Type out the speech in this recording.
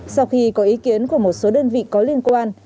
sau khi có ý kiến của một số đơn vị có liên quan